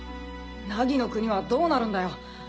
凪の国はどうなるんだよ。